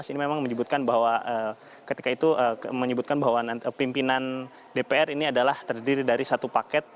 ini memang menyebutkan bahwa ketika itu menyebutkan bahwa pimpinan dpr ini adalah terdiri dari satu paket